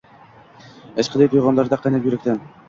Ishqiy tug’yonlarga qaynab, yurakdan